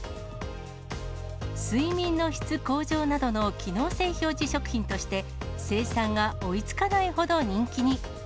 睡眠の質向上などの機能性表示食品として、生産が追いつかないほど人気に。